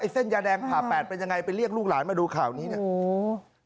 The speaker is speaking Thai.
เส้นยาแดงผ่าแปดเป็นยังไงไปเรียกลูกหลานมาดูข่าวนี้เนี่ยโอ้